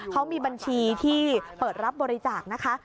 เขามีบัญชีที่เปิดรับบริจาคนะคะ